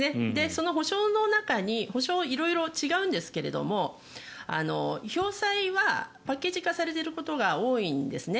その補償の中に補償は色々違うんですがひょう災はパッケージ化されていることが多いんですね。